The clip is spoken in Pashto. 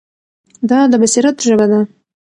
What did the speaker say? دا د بصیرت ژبه ده.